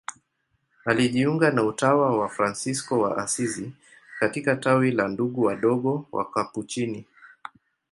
Alijiunga na utawa wa Fransisko wa Asizi katika tawi la Ndugu Wadogo Wakapuchini.